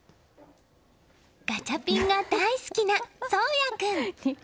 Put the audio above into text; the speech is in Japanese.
ガチャピンが大好きな奏哉君！